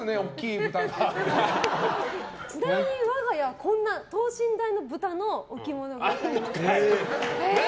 ちなみに、我が家はこんな等身大の豚の置物が置いてあります。